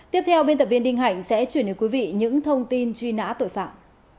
tiếp theo biên tập viên đinh hạnh sẽ chuyển đến quý vị những thông tin truy nã tội phạm